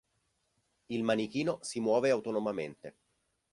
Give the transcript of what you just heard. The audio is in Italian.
Il manichino si muove autonomamente.